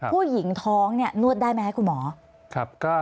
ผู้หญิงท้องนวดได้ไหมครับคุณหมอ